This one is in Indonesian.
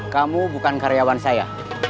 kamu bukan karyawan saya